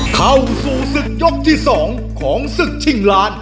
เข้าสู่ศึกยกที่๒ของศึกชิงล้าน